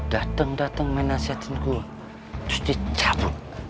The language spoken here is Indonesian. dateng dateng menasihatin gue terus dicabut